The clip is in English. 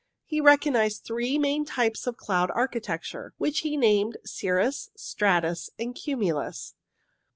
He recognized three main types of cloud architecture, which he named Cirrus, Stratus, and Cumulus.